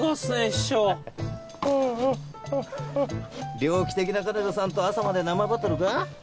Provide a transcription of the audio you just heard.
師匠猟奇的な彼女さんと朝まで生バトルか？